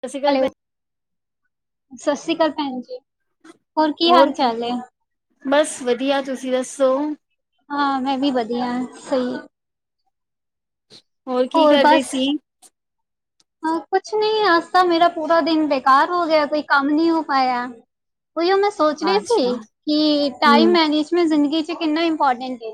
ਸਤਿ ਸ਼੍ਰੀ ਅਕਾਲ ਭੈ ਹੈਲੋ! ਸਾਸਰੀ ਕਾਲ ਭੈਣ ਜੀ। ਹੋਰ ਕੀ ਹਾਲ ਚਾਲ ਐ? ਬਸ ਵਧੀਆ। ਤੁਸੀਂ ਦੱਸੋ? ਹਾਂ! ਮੈਂ ਵੀ ਵਧੀਆ। ਸਹੀ ਏ। ਖ਼ਾਲੀ। ਹੋਰ! ਬਸ। ਹਾਂ! ਕੁਛ ਨਹੀਂ! ਆਸ ਤਾਂ ਮੇਰਾ ਪੂਰਾ ਦਿਨ ਬੇਕਾਰ ਹੋ ਗਿਆ। ਕੋਈ ਕੰਮ ਨਹੀਂ ਹੋ ਪਾਇਆ। ਉਹੀ ਓ ਮੈਂ ਸੋਚ ਰਹੀ ਅੱਛਾ ਸੀ। ਕੀ ਟਾਈਮ ਹੂੰ ਮੈਨੇਜਮ ਜ਼ਿੰਦਗੀ 'ਚ ਕਿੰਨਾ ਇਪੋਰਟੈਂਟ ਏ।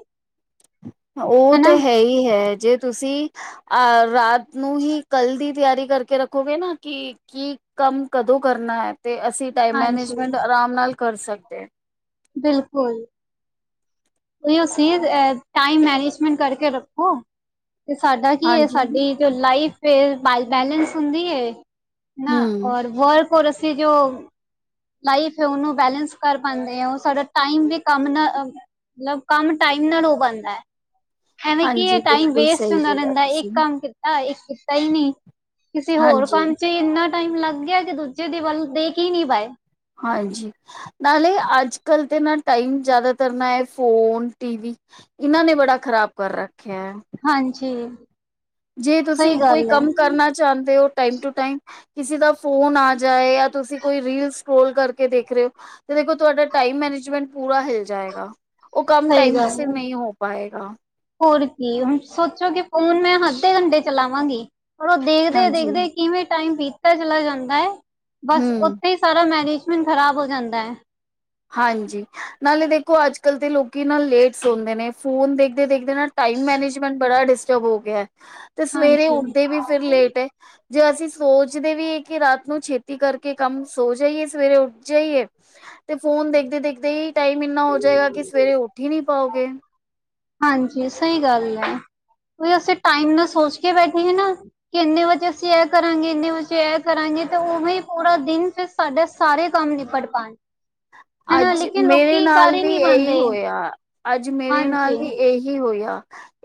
ਉਹ ਤੇ, ਹਨਾ, ਹੈ! ਹੀ! ਹੈ। ਜੇ ਤੁਸੀਂ ਅਹ ਰਾਤ ਨੂੰ ਹੀ ਕੱਲ ਦੀ। ਤਿਆਰੀ ਕਰਕੇ ਰੱਖੋਗੇ ਨਾ। ਕੀ, ਕੀ ਕੰਮ ਕਦੋਂ ਕਰਨਾ ਹੈ ਤੇ, ਅਸੀਂ ਟਾਈਮ ਹਾਂਜੀ ਮੈਨੇਜਮੈਂਟ ਆਰਾਮ ਨਾਲ ਕਰ ਸਕਦੇ ਐ। ਬਿਲਕੁਲ। ਓਹੀਓ ਸੀਜ ਐ। ਟਾਈਮ ਮੈਨੇਜਮੈਂਟ ਕਰਕੇ ਰੱਖੋ। ਤੇ ਸਾਡਾ ਕੀ ਐ। ਹਾਂਜੀ ਸਾਡੀ ਜੋ ਲਾਈਫ ਏ। ਬਾਈ ਬੈਲੇੈਂਸ ਹੁੰਦੀ ਏ। ਨਾ। ਹੂੰ ਔਰ ਵਰਕ ਹੋਰਸ ਸੀ ਜੋਂ ਲਾਈਫ ਹੈ। ਉਹਨੂੰ ਬੈਲੇੈਂਸ ਕਰ ਪਾਦੇ ਓ। ਸਾਡਾ ਟਾਈਮ ਵੀ ਕੰਮ ਨਾ ਅ ਓ ਲਬ ਕੰਮ ਟਾਈਮ ਨਾਲ ਹੋ ਬੰਨਦਾ ਹੈ। ਐਵੇਂ! ਕੀ ਏ! ਹਾਂਜੀ ਟਾਈਮ ਬਿਲਕੁਲ ਵੇਸਟ ਸਹੀ ਹੁੰਦਾ ਬੋਲਿਆ ਰਹਿੰਦਾ। ਇੱਕ ਤੁਸੀਂ ਕੰਮ ਕੀ ਤਾਂ। ਇੱਕ ਕਿੱਤਾ ਹੀ ਨੀ। ਕਿਸੇ ਹੋਰ ਹਾਂਜੀ ਕੰਮ 'ਚ ਤੇ, ਇੰਨਾ ਟਾਈਮ ਲੱਗ ਗਿਆ, ਕਿ ਦੂਜੇ ਦੇ ਵੱਲ ਦੇ ਕੇ ਹੀ ਨੀ ਬਾਏ। ਹਾਂਜੀ। ਨਾਲੇ ਅੱਜ- ਕੱਲ੍ਹ ਤੇ ਨਾ ਟਾਈਮ ਜ਼ਿਆਦਾਤਰ ਨਾ ਹੈ। ਫੋਨ, ਟੀਵੀ ਇਹਨਾਂ ਨੇ ਬੜਾ ਖ਼ਰਾਬ ਕਰ ਰੱਖਿਆ ਐ। ਹਾਂਜੀ। ਜੇ ਸਹੀ ਤੁਸੀਂ ਕੋਈ ਗੱਲ ਹੈ ਕੰਮ ਕਰਨਾ ਚਾਦੇ ਹੋ? ਟਾਈਮ ਟੂ ਟਾਈਮ ਕਿਸੇ ਦਾ ਫੋਨ ਆ ਜਾਏ। ਜਾਂ, ਤੁਸੀਂ ਕੋਈ ਰੀਲ ਸਕਰੋਲ ਕਰਕੇ ਦੇਖ ਰਹੇ ਔ। ਤੇ, ਦੇਖੋ! ਤੁਹਾਡਾ ਟਾਈਮ ਮੈਨੇਜਮੈਂਟ ਪੂਰਾ ਹਿਲ ਜਾਏਗਾ। ਉਹ ਕੰਮ ਸਹੀ ਟਾਈਮ ਗੱਲ ਸਿਰ ਹੈ ਨਹੀਂ ਹੋ ਪਾਏਗਾ। ਹੋਰ! ਕੀ! ਹੁਣ ਸੋਚੋ ਕਿ ਫੋਨ ਮੈਂ ਅੱਦੇ ਘੰਟੇ ਚਲਾਵਾਂਗੀ। ਪਰ ਉਹ ਦੇਖਦੇ- ਹਾਂਜੀ ਦੇਖਦੇ ਕਿਵੇਂ ਟਾਈਮ ਬੀਤਦਾ ਚਲਾ ਜਾਂਦਾ ਏ। ਬਸ ਹੂੰ ਉੱਥੇ ਹੀ ਸਾਰਾ ਮੈਨੇਜਮੈਂਟ ਖਰਾਬ ਹੋ ਜਾਂਦਾ ਐ। ਹਾਂਜੀ। ਨਾਲੇ ਦੇਖੋ ਅੱਜ- ਕੱਲ੍ਹ ਤੇ, ਲੋਕੀ ਨਾ ਲੇਟ ਸੌਂਦੇ ਨੇ, ਫੋਨ ਦੇਖਦੇ-ਦੇਖਦੇ ਏਦੇ ਨਾ ਟਾਈਮ ਮੈਨੇਜਮੈਂਟ ਬੜਾ ਡਿਸਟਰਬ ਹੋ ਗਿਆ। ਤੇ ਸਵੇਰੇ ਹਾਂਜੀ ਉੱਠਦੇ ਵੀ ਫੇਰ ਲੇਟ ਐ। ਜੇ ਅਸੀਂ ਸੋਚਦੇ ਵੀ ਏ ਕਿ, ਰਾਤ ਨੂੰ ਛੇਤੀ ਕਰਕੇ ਕੰਮ ਸੋ ਜਾਈਏ। ਸਵੇਰੇ ਉੱਠ ਜਾਈਏ। ਤੇ ਫੋਨ ਦੇਖਦੇ-ਦੇਖਦੇ ਹੀ ਟਾਈਮ ਇੰਨਾ ਹੋ ਜਾਏਗਾ, ਕਿ ਸਵੇਰੇ ਉੱਠ ਹੀ ਨੀ ਪਾਉਗੇ। ਹਾਂਜੀ। ਸਹੀ ਗੱਲ ਹੈ, ਕੋ ਅਸੀਂ ਟਾਈਮ ਨਾਲ ਸੋਚ ਕੇ ਬੈਠੇ ਹ ਨਾ। ਕਿ ਇੰਨੇ ਵਜੇ ਅਸੀਂ ਇਹ ਕਰਾਂਗੇ, ਇੰਨੇ ਵਜੇ ਇਹ ਕਰਾਂਗੇ ਤੇ ਉਵੇਂ ਪੂਰਾ ਦਿਨ ਫ। ਸਾਡੇ ਸਾਰੇ ਕੰਮ ਨਿਪੜ ਪਾਉਣ। ਹਨਾ ਅੱਜ ਲੇਕਿਨ ਮੇਰੇ ਲੋਕੀ ਕਰ ਨਾਲ ਹੀ ਵੀ ਨਹੀਂ ਇਹੀ ਪਾਉਂਦੇ ਹੋਇਆ। ਅੱਜ ਮੇਰੇ ਨਾਲ ਹਾਂਜੀ ਵੀ ਇਹੀ ਹੋਇਆ,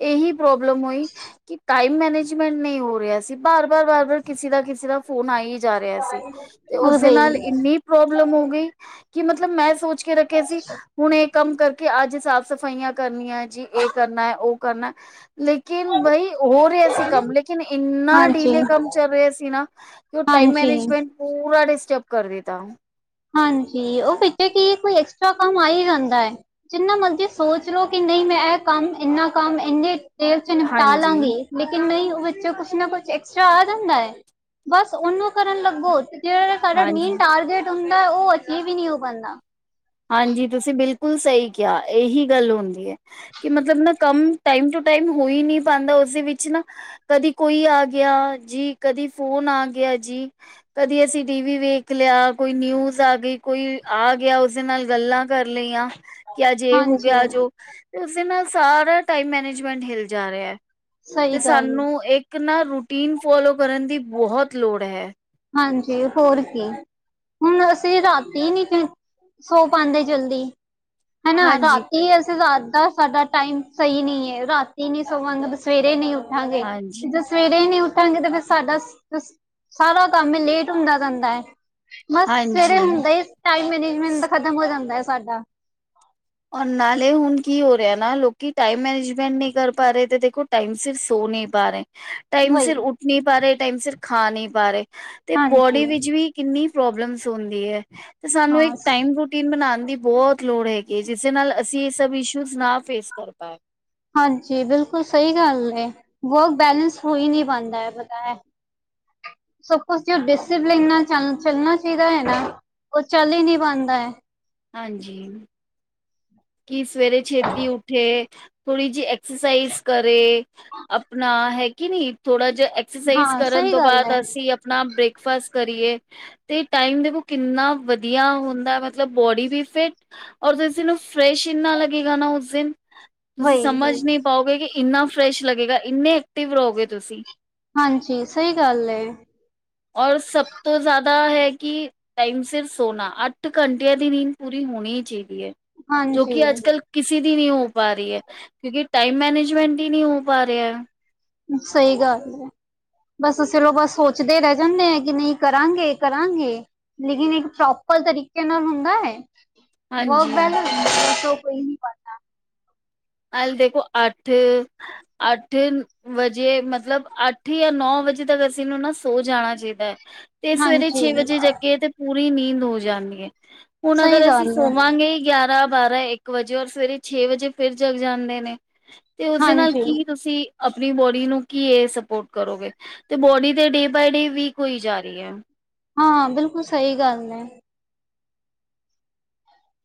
ਇਹੀ ਪ੍ਰੋਬਲਮ ਹੋਈ ਕਿ ਪ- ਮੈਨੇਜਮੈਂਟ ਨਹੀਂ ਹੋ ਰਿਹਾ ਸੀ ਬਾਰ- ਬਾਰ ਬਾਰ- ਬਾਰ ਕਿਸੇ ਦਾ ਕਿਸੇ ਦਾ। ਫੋਨ ਆਈ ਹੀ ਜਾ ਰਿਹਾ ਸੀ, ਤੇ ਉਹ ਉਸੇ ਬਈ ਨਾਲ ਇੰਨੀ ਪ੍ਰੋਬਲਮ ਹੋ ਗਈ। ਕਿ ਮਤਲਬ ਮੈਂ ਸੋਚ ਕੇ ਰੱਖੇ ਸੀ। ਹੁਣ ਇਹ ਕੰਮ ਕਰਕੇ ਅੱਜ ਸਾਫ਼- ਸਫ਼ਾਈਆਂ ਕਰਨੀਆਂ ਜੀ ਇਹ ਕਰਨਾ ਹੈ, ਉਹ ਕਰਨਾ। ਲੇਕਿਨ ਬਾਈ ਹੋ ਰਿਹਾ ਸੀ ਕੰਮ ਲੇਕਿਨ ਇੰਨਾ ਹਾਂਜੀ ਡੀਲੇ ਕੰਮ ਚੱਲ ਰਿਹਾ ਸੀ ਨਾ, ਕਿ ਉਹ ਟਾਈਮ ਹਾਂਜੀ ਮੈਨੇਜਮੈਂਟ ਪੂਰਾ ਡਿਸਟਰਬ ਕਰ ਰੇਹਤਾ। ਹਾਂਜੀ ਉਹ ਪਿੱਛੇ ਕੀ ਕੋਈ ਐਕਸਟਰਾ ਕੰਮ ਆ ਹੀ ਜਾਂਦਾ ਹੈ। ਜਿੰਨਾ ਮਰਜ਼ੀ ਸੋਚ ਲੋ ਕਿ ਨਹੀਂ, ਮੈਂ ਇਹ ਕੰਮ ਇੰਨਾ ਕੰਮ, ਇੰਨੀ ਦੇਰ ਚ ਨਿਪਟਾ ਹਾਂਜੀ, ਲਾਂਗੀ। ਲੇਕਿਨ ਨਹੀਂ, ਉਹ ਵਿੱਚੋਂ ਕੁਛ ਨਾ ਕੁਛ ਐਕਸਟਰਾ ਆ ਜਾਂਦਾ ਹੈ, ਬਸ ਉਹਨੂੰ ਕਰਨ ਲੱਗੋ। ਜਿਹੜਾ ਸਾਡਾ ਮੇਨ ਹਾਂਜੀ। ਟਾਰਗੇਟ ਹੁੰਦਾ ਉਹ ਐ ਵੀ ਨੀ ਹੋ ਪਾਉਂਦਾ। ਹਾਂਜੀ ਤੁਸੀਂ ਬਿਲਕੁਲ ਸਹੀ ਕਿਹਾ, ਇਹੀ ਗੱਲ ਹੁੰਦੀ ਹੈ। ਕਿ ਮਤਲਬ ਨਾ ਕੰਮ ਟਾਈਮ ਟੂ ਟਾਈਮ ਹੋ ਹੀ ਨਹੀਂ ਪਾਉਂਦਾ ਉਸੇ ਵਿੱਚ ਨਾ। ਕਦੀ ਕੋਈ ਆ ਗਿਆ ਜੀ, ਕਦੀ ਫੋਨ ਆ ਗਿਆ ਜੀ। ਕਦੀ ਅਸੀਂ ਟੀ ਵੀ ਵੇਖ ਲਿਆ, ਕੋਈ ਨਿਊਜ਼ ਆ ਗਈ, ਕੋਈ ਆ ਗਿਆ, ਓਸ ਨਾਲ ਗੱਲਾਂ ਕਰ ਲਈਆਂ, ਕਿ ਅੱਜ ਐ ਹੋ ਹਾਂਜੀ ਗਿਆ, ਅਜ ਔ। ਉਸੇ ਨਾਲ ਸਾਰਾ ਟਾਈਮ ਮੈਨੇਜਮੈਂਟ ਹਿਲ ਜਾ ਰਿਹਾ, ਸਹੀ ਤੇ ਗੱਲ ਏ। ਸਾਨੂੰ ਇੱਕ ਇੱਕ ਨਾ ਰੂਟੀਨ ਫੋਲੋ ਕਰਨ ਦੀ ਬਹੁਤ ਲੋੜ ਹੈ। ਹਾਂਜੀ ਹੋਰ ਕੀ। ਹੁਣ ਅਸੀਂ ਰਾਤੀ ਨੀ ਸੌ ਪਾਉਂਦੇ ਜਲਦੀ। ਹਨਾ ਹਾਂਜੀ ਰਾਤੀ ਅਸੀਂ ਰਾਤ ਦਾ ਸਾਡਾ ਟਾਈਮ ਸਹੀ ਨਹੀਂ ਹੈ ਰਾਤੀ ਨੀ ਸੋਵਾਂਗੇ ਤੇ ਸਵੇ- ਸਵੇਰੇ ਨਹੀਂ ਉੱਠਾਂਗੇ, ਹਾਂਜੀ ਤੇ ਜੇ ਸਵੇਰੇ ਨਹੀਂ ਉੱਠਾਂਗੇ ਤਾਂ ਫੇਰ ਸਾਡਾ ਸਾਬ ਕੰਮ ਲੇਟ ਹੁੰਦਾ ਜਾਂਦਾ ਹੈ, ਬਸ ਸਵੇਰੇ ਹਾਂਜੀ ਹੁੰਦਾ ਏ। ਟਾਈਮ ਮੈਨੇਜਮੈਂਟ ਤ ਖ਼ਤਮ ਹੋ ਜਾਂਦਾ ਹੈ ਸਾਡਾ। ਔਰ ਨਾਲੇ ਹੁਣ ਕੀ ਹੋ ਰਿਹਾ ਨਾ, ਲੋਕੀ ਟਾਈਮ ਮੈਨੇਜਮੈਂਟ ਨਹੀਂ ਕਰ ਪਾ ਰਹੇ, ਤੇ ਦੇਖੋ ਟਾਈਮ ਸਿਰ ਸੋ ਨਹੀਂ ਪਾ ਰਹੇ। ਟਾਈਮ ਵਹੀ ਸਿਰ ਉੱਠ ਨਹੀਂ ਪਾ ਰਹੇ, ਟਾਈਮ ਸਿਰ ਖਾ ਨਹੀਂ ਪਾ ਰਹੇ, ਤੇ ਹਾਂਜੀ ਬੋਡੀ ਵਿੱਚ ਵੀ ਕਿੰਨੀ ਪ੍ਰੋਬਲਮਸ ਹੁੰਦੀ ਹੈ, ਤੇ ਸਾਨੂੰ ਇੱਕ ਹਾਂ ਟਾਈਮ ਰੂਟੀਨ ਬਣਾਉਣ ਦੀ ਬਹੁਤ ਲੋੜ ਹੈਗੀ। ਕੀ ਜਿਸੇ ਨਾਲ ਅਸੀਂ ਇਹ ਸਭ ਇਸ਼ੂਜ ਨਾ ਫੇਸ ਕਰ ਪਾਏ। ਹਾਂਜੀ ਬਿਲਕੁਲ ਸਹੀ ਗੱਲ ਐ, ਵਰਕ ਬੈਲੇੈਂਸ ਹੋ ਹੀ ਨਹੀਂ ਪਾਣਦਾ ਹੈ, ਪਤਾ ਹੈ। ਸਬ ਕੁਝ ਜੋ ਡਿਸਿਪਲਨ ਨਾਲ ਚ ਚੱਲਣਾ ਚਾਹੀਦਾ ਹੈ ਨਾ। ਉਹ ਚੱਲ ਹੀ ਨਹੀਂ ਪਾਣਦਾ ਹੈ। ਹਾਂਜੀ। ਕਿ ਸਵੇਰੇ ਛੇਤੀ ਉਠੇ, ਥੋੜੀ ਜਿਹੀ ਐਕਸਰਸਾਈਜ਼ ਕਰੇ। ਆਪਣਾ ਹੈ ਕਿ ਨੀ, ਥੋੜਾ ਜਿਹਾ ਐਕਸਰਸਾਈਜ਼ ਹਾਂ ਕਰਨ ਸਹੀ ਤੋਂ ਗੱਲ ਬਾਅਦ ਹੈ ਅਸੀਂ। ਆਪਣਾ ਬ੍ਰੇਕਫਾਸਟ ਕਰੀਏ ਤੇ ਟਾਈਮ ਦੇਖੋ ਕਿੰਨਾ ਵਧੀਆ ਹੁੰਦਾ ਮਤਲਬ। ਬੋਡੀ ਵੀ ਫਿਟ, ਔਰ ਤੁਸ ਉਹ ਫਰੈਸ਼ ਇਨਾ ਲੱਗੇਗਾ ਨਾ ਉਸ ਦਿਨ। ਤੁਸੀਂ ਵਹੀ ਸਮਝ ਵਹੀ ਨਹੀਂ ਪਾਓਗੇ ਕਿ ਇੰਨਾ ਫਰੈਸ਼ ਲੱਗੇਗਾ ਇੰਨੇ ਐਕਟਿਵ ਰਹੋਗੇ ਤੁਸੀਂ। ਹਾਂਜੀ ਸਹੀ ਗੱਲ ਐ। ਔਰ ਸਭ ਤੋਂ ਜ਼ਿਆਦਾ ਹੈ ਕਿ, ਟਾਈਮ ਸਿਰ ਸੋਨਾ ਅੱਠ ਘੰਟੇ ਆ ਦੀ ਨੀਂਦ ਪੂਰੀ ਹੋਣੀ ਚਾਹੀਦੀ ਹੈ, ਜੋ ਹਾਂਜੀ ਕਿ ਅੱਜ ਕੱਲ। ਕਿਸੇ ਦੀ ਨਹੀਂ ਹੋ ਪਾ ਰਹੀ ਹੈ, ਕਿਉਂਕਿ ਟਾਈਮ ਮੈਨੇਜਮੈਂਟ ਹੀ ਨਹੀਂ ਹੋ ਪਾ ਰਿਹਾ। ਸਹੀ ਗੱਲ ਏ। ਬਸ ਅਸੀ ਲੋਕ ਬ ਸੋਚਦੇ ਰਹਿ ਜਾਂਦੇ ਆ ਕਿ ਨਹੀਂ ਕਰਾਂਗੇ - ਕਰਾਂਗੇ। ਲੇਕਿਨ ਇੱਕ ਪ੍ਰੋਪਰ ਤਰੀਕੇ ਨਾਲ ਹੁੰਦਾ ਹੈ। ਵਰਕ ਹਾਂਜੀ ਬੈਲਸ ਸ, ਕੋਈ ਨੀ ਪ। ਅ ਦੇਖੋ ਅੱਠ, ਅੱਠ ਵਜੇ ਮਤਲਬ ਅੱਠ ਜਾਂ ਨੌ ਵਜੇ ਤੱਕ ਅਸੀਂ ਨੂੰ ਨਾ ਸੌ ਜਾਣਾ ਚਾਹੀਦਾ ਹੈ। ਤੇ ਸਵੇਰੇ ਹਾਂਜੀ ਛੇ ਵਜੇ ਜਾੱਗੇ ਤੇ ਪੂਰੀ ਨੀਂਦ ਹੋ ਜਾਂਦੀ ਹੈ। ਹੁਣ ਸਹੀ ਅਗਰ ਅਸੀਂ ਗੱਲ ਹੈ ਸੋਵਾਂਗੇ ਗਿਆਰਾਂ, ਬਾਰਾਂ ਇੱਕ ਇੱਕ ਵਜੇ ਔਰ ਸਵੇਰੇ ਛੇ ਵਜੇ ਫਿਰ ਜਗ ਜਾਂਦੇ ਨੇ, ਤੇ ਉਸਦੇ ਨਾਲ ਹਾਂਜੀ ਕੀ ਤੁਸੀਂ ਆਪਣੀ ਬੋਡੀ ਨੂੰ ਕੀ ਇਹ ਸਪੋਰਟ ਕਰੋਗੇ। ਤੇ ਬੋਡੀ ਤੇ ਡੇ ਵੀ ਡੇ ਵੀਕ ਹੋਈ ਜਾ ਰਹੀ ਹੈ। ਹਾਂ, ਬਿਲਕੁਲ ਸਹੀ ਗੱਲ ਹੈ।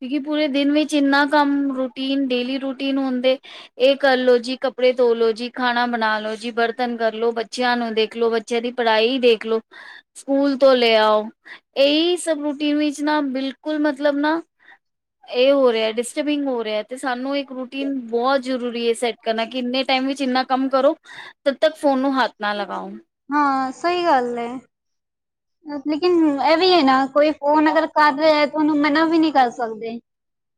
ਕਿਉਂਕਿ ਪੂਰੇ ਦਿਨ ਵਿੱਚ ਇੰਨਾ ਕੰਮ, ਰੂਟੀਨ ਡੇਲੀ ਰੂਟੀਨ ਹੁੰਦੇ। ਇਹ ਕਰਲੋ ਜੀ, ਕੱਪੜੇ ਧੋਲੋ ਜੀ, ਖਾਣਾ ਬਣਾ ਲੋ ਜੀ, ਬਰਤਨ ਕਰਲੋ, ਬੱਚਿਆਂ ਨੂੰ ਦੇਖਲੋ ਬੱਚਿਆਂ ਦੀ ਪੜ੍ਹਾਈ ਹੀ ਦੇਖਲੋ ਸਕੂਲ ਤੋਂ ਲੈ ਆਓ, ਇਹੀ ਸਭ ਰੂਟੀਨ ਵਿੱਚ ਨਾ ਬਿਲਕੁਲ ਮਤਲਬ ਨਾ ਇਹ ਹੋ ਰਿਹਾ ਡਿਸਟਰਬਿੰਗ ਹੋ ਰਿਹਾ ਤੇ ਸਾਨੂੰ ਇੱਕ ਰੂਟੀਨ ਬਹੁਤ ਜ਼ਰੂਰੀ ਹੈ ਸੈੱਟ ਕਰਨਾ, ਕਿ ਇੰਨੇ ਟਾਈਮ ਵਿੱਚ ਇੰਨਾ ਕੰਮ ਕਰੋ, ਤਦ ਤੱਕ ਫੋਨ ਨੂੰ ਹੱਥ ਨਾ ਲਗਾਓ। ਹਾਂ, ਸਹੀ ਗੱਲ ਹੈ। ਲੇਕਿਨ ਇਹ ਵੀ ਹੈ ਨਾ ਕੋਈ ਫੋਨ ਅਗਰ ਕਰ ਰਿਹਾ ਹੈ, ਤਾਂ ਉਹਨੂੰ ਮਨਾ ਵੀ ਨਹੀਂ ਕਰ ਸਕਦੇ।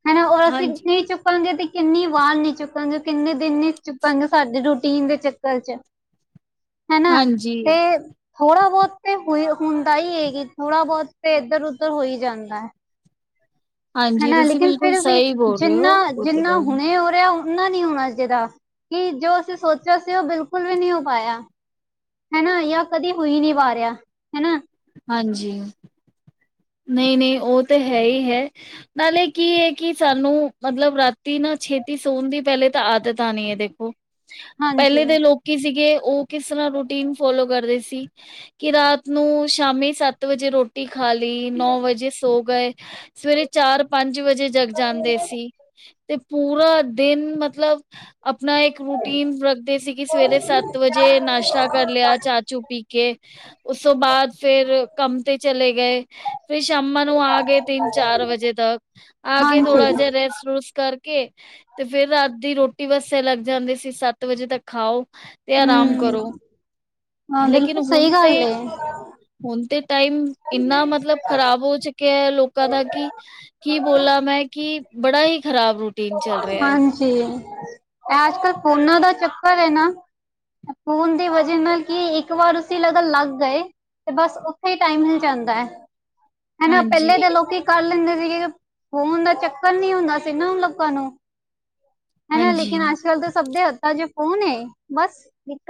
ਹੈ ਨਾ, ਉਹ ਅਸੀਂ ਹਾਂਜੀ ਨਹੀਂ ਚੁੱਕ ਚੁੱਕਣਗੇ ਤੇ ਕਿੰਨੀ ਵਾਰ ਨੀ ਚੁੱਕਣਗੇ, ਕਿੰਨੇ ਦਿਨ ਨੀ ਚੁੱਕਣਗੇ, ਸਾਡੇ ਰੂਟੀਨ ਦੇ ਚੱਕਰ ਚ' ਹੈ ਨਾ, ਹਾਂਜੀ ਤੇ ਥੋੜਾ ਬਹੁਤ ਤੇ ਹੋਈ ਹੁੰਦਾ ਇਹ ਕਿ, ਥੋੜਾ ਬਹੁਤ ਤੇ ਇੱਧਰ ਉੱਧਰ ਹੋ ਹੀ ਜਾਂਦਾ ਹੈ। ਹੈ ਹਾਂਜੀ ਨਾ, ਤੁਸੀਂ ਲੇਕਿਨ ਬਿਲਕੁਲ ਫਿਰ ਵੀ ਸਹੀ ਬੋਲ ਰਹੇ ਹੋ ਜਿੰਨਾ ਉਹ ਤੇ ਜਿੰਨਾ ਗੱਲ ਹੁਣੇ ਹੋ ਰਿਹਾ ੳਨਾ ਨਹੀਂ ਹੋਣਾ ਚਾਈਦਾ, ਕਿ ਜੋ ਅਸੀਂ ਸੋਚਿਆ ਸੀ ਉਹ ਬਿਲਕੁਲ ਵੀ ਨਹੀਂ ਹੋ ਪਾਇਆ। ਹਨਾ ਜਾਂ ਕਦੇ ਹੋਈ ਨਹੀਂ ਵ ਰਿਹਾ, ਹਨਾ ਹਾਂਜੀ। ਨਹੀਂ ਨਹੀਂ, ਉਹ ਤਾਂ ਹੈ ਹੀ ਹੈ। ਨਾਲੇ ਕੀ ਹੈ ਕਿ ਸਾਨੂੰ, ਮਤਲਬ ਰਾਤੀ ਨਾ ਛੇਤੀ ਸੋਣ ਦੀ ਪਹਿਲੇ ਤਾਂ ਆਦਤ ਆਣੀ ਹੈ ਦੇਖੋ। ਹਾਂਜੀ ਪਹਿਲੇ ਦੇ ਲੋਕੀ ਸੀਗੇ, ਉਹ ਕਿਸ ਤਰਾਂ ਰੂਟੀਨ ਫੋਲੋ ਕਰਦੇ ਸੀ। ਕਿ ਰਾਤ ਨੂੰ ਸ਼ਾਮੀ ਸੱਤ ਵਜੇ ਰੋਟੀ ਖਾ ਲੀ। ਨੌ ਵਜੇ ਸੋ ਗਏ, ਸਵੇਰੇ ਚਾਰ ਪੰਜ ਵਜੇ ਜਗ ਜਾਂਦੇ ਸੀ। ਤੇ ਪੂਰਾ ਦਿਨ ਮਤਲਬ ਆਪਣਾ ਇੱਕ ਰੂਟੀਨ ਰੱਖਦੇ ਸੀ, ਕਿ ਸਵੇਰੇ ਸੱਤ ਵਜੇ ਨਾਸ਼ਤਾ ਕਰ ਲਿਆ ਚਾਹ ਚੂ ਪੀ ਕੇ ਉਸ ਤੋਂ ਬਾਅਦ ਫੇਰ ਕੰਮ ਤੇ ਚਲੇ ਗਏ। ਫੇਰ ਸ਼ਾਮਾਂ ਨੂੰ ਆ ਗੇ ਤਿੰਨ ਚਾਰ ਵਜੇ ਤੱਕ, ਆ ਕੇ ਹਾਂਜੀ ਥੋੜਾ ਜਿਹਾ ਰੈਸਟ ਰੂਸਟ ਕਰ ਕੇ ਤੇ ਫੇਰ ਰਾਤ ਦੀ ਰੋਟੀ ਵਾਸਤੇ ਲੱਗ ਜਾਂਦੇ ਸੀ, ਸੱਤ ਵਜੇ ਤੱਕ ਖਾਓ। ਤੇ ਆਰਾਮ ਹਮ ਕਰੋ। ਹਾਂ, ਲੇਕਿਨ ਬਿਲਕੁਲ ਸਹੀ ਹੁਣ ਗੱਲ ਤੇ ਏ। ਹੁਣ ਤੇ ਟਾਈਮ ਇੰਨਾ ਮਤਲਬ ਖ਼ਰਾਬ ਹੋ ਚੁੱਕਿਆ ਲੋਕਾਂ ਦਾ ਕਿ ਕੀ ਬੋਲਾ ਮੈਂ, ਕਿ ਬੜਾ ਹੀ ਖਰਾਬ ਰੂਟੀਨ ਚੱਲ ਰਿਹਾ ਹੈ। ਤੇ ਇਹ ਅੱਜ ਕਲ ਫੋਨਾਂ ਦਾ ਚੱਕਰ ਹੈ ਨਾ ਖ਼ੋਨ ਦੀ ਵਜ੍ਹਾ ਨਾਲ, ਕੀ ਇੱਕ ਵਾਰ ਅਸੀਂ ਲਗਨ ਲੱਗ ਗਏ ਤੇ ਬਸ ਉੱਥੇ ਹੀ ਟਾਈਮ ਨਿਕਲ ਜਾਂਦਾ ਹੈ। ਹਨਾ ਹਾਂਜੀ, ਪਹਿਲੇ ਤਾਂ ਲੋਕੀ ਕਰ ਲੈਂਦੇ ਸੀਗੇ, ਫੋਨ ਦਾ ਚੱਕਰ ਨੀ ਹੁੰਦਾ ਸੀ ਨਾ ਤਾਨੂੰ ਹੈ ਨਾ ਹਾਂਜੀ, ਲੇਕਿਨ ਅੱਜ-ਕੱਲ ਤਾਂ ਸਭ ਦੇ ਹੱਥਾਂ ਚ ਫੋਨ ਬਸ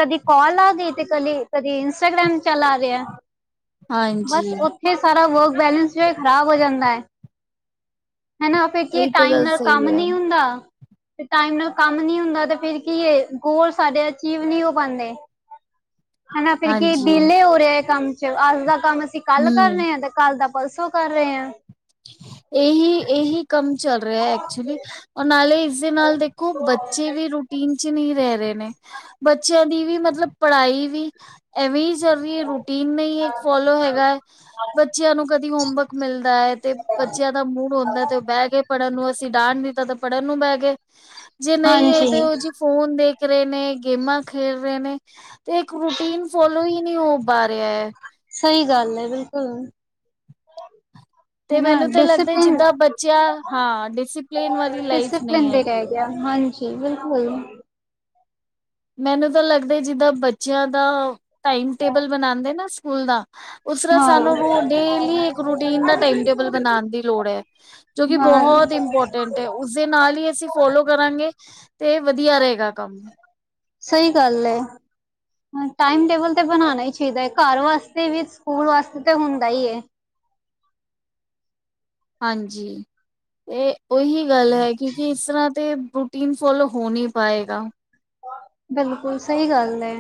ਕਦੀ ਕਾਲ ਆ ਗਈ ਤੇ ਕਦੇ ਕਦੀ ਇੰਸਟਾਗ੍ਰਾਮ ਚਲਾ ਲਿਆ। ਹਾਂਜੀ ਬਸ ਉੱਥੇ ਸਾਰਾ ਵਰਕ ਬੈਲੇਂਸ ਜੋ ਏ ਖ਼ਰਾਬ ਹੋ ਜਾਂਦਾ ਐ। ਹਨਾ ਫਿਰ ਇਹ ਇਹੀ ਤੇ ਟਾਈਮ ਗੱਲ ਨਾਲ ਕੰਮ ਸਹੀ ਹੈ। ਨੀ ਹੁੰਦਾ। ਤੇ ਟਾਈਮ ਨਾਲ ਕੰਮ ਨੀ ਹੁੰਦਾ ਤੇ ਫਿਰ ਕੀ ਏ, ਗੋਲ ਸਾਡੇ ਅਚੀਵ ਨੀ ਹੋ ਪਾਂਦੇ। ਹੈਨਾ ਫਿਰ ਕੀ ਹਾਂਜੀ, ਦੀਲੇ ਹੋ ਰਿਹਾ ਐ ਕੰਮ ਚ, ਅੱਜ ਦਾ ਕੰਮ ਅਸੀਂ ਕੱਲ ਕਰ ਹੂੰ ਰਨੇ ਆ ਤੇ ਕੱਲ ਦਾ ਪਰਸੋਂ ਕਰ ਰਹੇ ਆ। ਇਹੀ-ਇਹੀ ਕੰਮ ਚੱਲ ਰਿਹਾ ਐਕਚੁਲੀ ਔਰ ਨਾਲੇ ਇਸ ਦੇ ਨਾਲ ਦੇਖੋ ਬੱਚੇ ਵੀ ਰੂਟੀਨ ਤੇ ਨੀ ਰਹਿ ਰਹੇ ਨੇ, ਬੱਚਿਆਂ ਦੀ ਵੀ ਮਤਲਬ ਪੜ੍ਹਾਈ ਵੀ ਐਵੇਂ ਚੱਲ ਰਹੀ ਰੂਟੀਨ ਨੀ ਫੋਲੋ ਹੈਗਾ ਬੱਚਿਆਂ ਨੂੰ ਕਦੀ ਹੋਮਵਰਕ ਮਿਲਦਾ ਐ। ਤੇ ਬੱਚਿਆਂ ਦਾ ਮੂਡ ਹੁੰਦਾ ਤੇ ਉਹ ਬਹਿ ਗਏ ਪੜ੍ਹਨ ਨੂੰ, ਅਸੀਂ ਡਾਹਣ ਨੀ ਤ ਤੇ ਪੜ੍ਹਨ ਨੂੰ ਬਹਿ ਗਏ। ਜੇ ਨਈ ਐ ਤੇ ਹਾਂਜੀ ਉਹ ਜੀ ਫੋਨ ਦੇਖ ਰਹੇ ਨੇ, ਗੇਮਾਂ ਖੇਡ ਰਹੇ ਨੇ ਤੇ ਏਕ ਰੂਟੀਨ ਫੋਲੋ ਹੀ ਨੀ ਹੋ ਪਾ ਰਿਹਾ ਏ। ਸਹੀ ਗੱਲ ਏ ਬਿਲਕੁਲ। ਤੇ ਹੈਨ ਮੈਨੂੰ ਤਾਂ ਲੱਗਦਾ ਡਿਸਪਲਿਨ, ਜਿੱਦਾਂ ਬੱਚਿਆਂ ਹਾਂ ਡਿਸਿਪਲਿਨ ਵਾਲੀ ਲਾਈਫ ਨਹੀਂ ਡਿਸਿਪਲਿਨ ਵੀ ਰਹਿ ਹੈਗੀ ਹੈ। ਗਿਆ ਹਾਂਜੀ। ਤੇ ਬਿਲਕੁਲ ਮੈਨੂੰ ਤਾਂ ਲੱਗਦਾ ਜਿੱਦਾਂ ਬੱਚਿਆਂ ਦਾ ਟਾਈਮ ਟੇਬਲ ਬਣਾਏ ਨਾ ਸਕੂਲ ਦਾ ਉਸ ਤਰ੍ਹਾਂ ਹਾਂ ਸਾਨੂੰ ਰੂ ਡੇਲੀ ਇੱਕ ਰੂਟੀਨ ਦਾ ਟਾਈਮ ਟੇਬਲ ਬਨਣ ਦੀ ਲੋੜ ਐ। ਜੋ ਕਿ ਹਾਂ ਬਹੁਤ ਇੰਪੋਰਟੈਂਟ ਏ ਉਸ ਦੇ ਨਾਲ ਹੀ ਅਸੀਂ ਫੋਲੋ ਕਰਾਂਗੇ ਤੇ ਵਧੀਆ ਰਹੇਗਾ ਕੰਮ ਸਹੀ ਗੱਲ ਐ। ਟਾਈਮ ਟੇਬਲ ਤੇ ਬਨਾਨਾ ਹੀ ਚਾਹੀਦਾ ਐ, ਘਰ ਵਾਸਤੇ ਵੀ, ਸਕੂਲ ਵਾਸਤੇ ਤਾਂ ਹੁੰਦਾ ਹੀ ਐ। ਹਾਂਜੀ ਏ ਉਹੀ ਗੱਲ ਏ ਕਿਉਂਕਿ ਇਸ ਤਰ੍ਹਾਂ ਤੇ ਰੂਟੀਨ ਫੋਲੋ ਹੋ ਨੀ ਪਾਏਗਾ। ਬਿਲਕੁਲ, ਸਹੀ ਗੱਲ ਐ।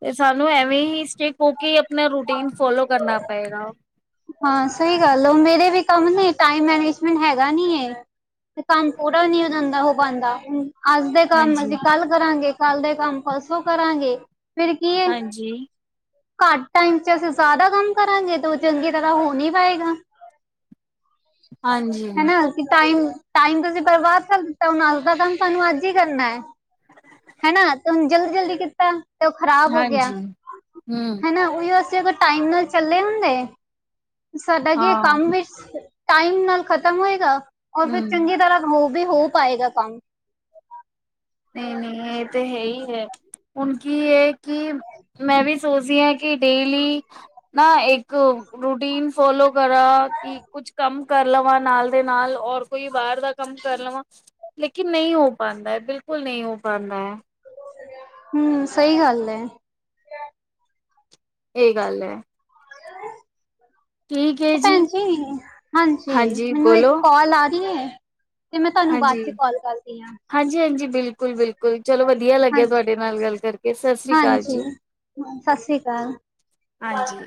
ਤੇ ਸਾਨੂੰ ਐਵੇਂ ਹੀ ਸਟੇਕ ਹੋ ਕੇ ਆਪਣਾ ਰੂਟੀਨ ਫੋਲੋ ਕਰਨਾ ਪਏਗਾ। ਹਾਂ ਸਹੀ ਗੱਲ ਮੇਰੇ ਵੀ ਕੰਮ ਨੇ ਟਾਈਮ ਮੈਨੇਜਮੈਂਟ ਹੈਗਾ ਨੀ ਏ। ਤੇ ਕੰਮ ਥੋੜਾ ਵੀ ਨੀ ਹੋ ਜਾਂਦਾ ਹੋ ਪਾਂਦਾ ਹਮ ਅੱਜ ਦੇ ਕੰਮ ਅਸੀਂ ਹਾਂਜੀ। ਕੱਲ੍ਹ ਕਰਾਂਗੇ, ਕੱਲ ਦੇ ਕੰਮ ਪਰਸੋਂ ਕਰਾਂਗੇ। ਫਿਰ ਕੀ ਏ? ਹਾਂਜੀ, ਘੱਟ ਟਾਈਮ ਚ ਅਸੀਂ ਜ਼ਿਆਦਾ ਕੰਮ ਕਰਾਂਗੇ ਤੇ ਉਹ ਚੰਗੇ ਇਸ ਤਰ੍ਹਾਂ ਹੋ ਨੀ ਪਾਏਗਾ। ਹਾਂਜੀ। ਹਨਾ ਟਾਈਮ- ਟਾਈਮ ਤੁਸੀਂ ਬਰਬਾਦ ਕਰ ਦਿੱਤਾ ਹੁਣ ਅੱਜ ਦਾ ਕੰਮ, ਸਾਨੂੰ ਅੱਜ ਹੀ ਕਰਨਾ ਏ। ਹੈਨਾ ਤੇ ਹੁਣ ਜਲਦੀ-ਜਲਦੀ ਕੀਤਾ ਤੇ ਉਹ ਖ਼ਰਾਬ ਹੋ ਗਿਆ ਹਾਂਜੀ, ਹੂੰ, ਹੈਨਾ। ਉਹੀ ਅਸੀਂ ਅਗਰ ਟਾਈਮ ਨਾਲ ਚੱਲੇ ਹੁੰਦੇ ਸਾਡਾ ਕੀ ਹਾਂ, ਕੰਮ ਵੀ ਟਾਈਮ ਨਾਲ ਖਤਮ ਹੋਏਗਾ ਔਰ ਫਿਰ ਹੂੰ। ਚੰਗੀ ਤਰ੍ਹਾਂ ਉਹ ਬੀ ਹੋ ਪਾਏਗਾ ਕੰਮ। ਨਈ-ਨਈ ਇਹ ਤੇ ਹੈ ਹੀ ਏ। ਹੁਣ ਕੀ ਏ ਕਿ ਮੈਂ ਵੀ ਸੋਚਦੀ ਹਾਂ ਕਿ ਡੇਲੀ ਨਾ ਏਕ ਰੂਟੀਨ ਫੋਲੋ ਕਰਾਂ ਕਿ ਕਿ ਕੁੱਛ ਕੰਮ ਕਰ ਲਵਾਂ ਨਾਲ ਦੇ ਨਾਲ ਔਰ ਕੋਈ ਬਾਰ ਦਾ ਕੰਮ ਕਰ ਲਵਾਂ ਲੇਕਿਨ ਨਈ ਹੋ ਪਾਂਦਾ ਬਿਲਕੁਲ ਨੀ ਹੋ ਪਾਂਦਾ ਐ। ਹਮ ਸਹੀ ਗੱਲ ਏ। ਇਹ ਗੱਲ ਐ। [unintelligible] ਭੈਣ ਜੀ, ਹਾਂਜੀ ਮੈਨੂੰ ਇੱਕ ਕਾਲ ਆ ਰਹੀ ਹੈ। ਤੇ ਮੈਂ ਤੁਹਾਨੂੰ ਹਾਂਜੀ ਬਾਅਦ ਚ' ਕਾਲ ਕਰਦੀ ਹਾਂ। ਹਾਂਜੀ ਹਾਂਜੀ, ਬਿਲਕੁਲ ਬਿਲਕੁਲ ਚਲੋ ਵਧੀਆ ਲੱਗਿਆ ਹਾਂਜੀ ਤੁਹਾਡੇ ਨਾਲ ਗੱਲ ਕਰਕੇ, ਸਤਿ ਸ੍ਰੀ ਅਕਾਲ ਜੀ। ਹਾਂਜੀ ਸਤਿ ਸ੍ਰੀ ਅਕਾਲ ਹਾਂਜੀ।